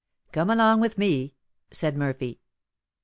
"Come along with me," said Murphy.